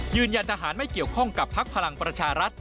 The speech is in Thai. ทหารไม่เกี่ยวข้องกับพักพลังประชารัฐ